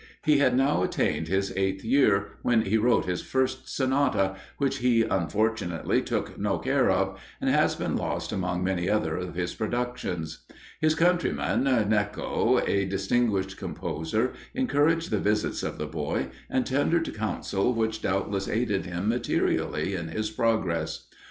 He had now attained his eighth year, when he wrote his first sonata, which he unfortunately took no care of, and has been lost among many other of his productions. His countryman, Gnecco, a distinguished composer, encouraged the visits of the boy, and tendered counsel which doubtless aided him materially in his progress.